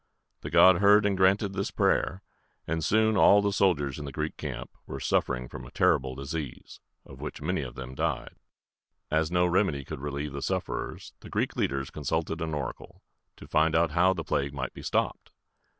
The god heard and granted this prayer, and soon all the soldiers in the Greek camp were suffering from a terrible disease, of which many of them died. As no remedy could relieve the sufferers, the Greek leaders consulted an oracle, to find out how the plague might be stopped.